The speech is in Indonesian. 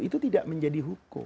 itu tidak menjadi hukum